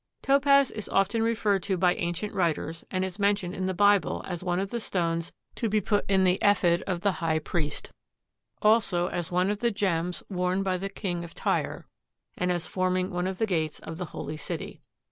Topaz is often referred to by ancient writers and is mentioned in the Bible as one of the stones to be put in the ephod of the high priest; also as one of the gems worn by the King of Tyre and as forming one of the gates of the Holy City.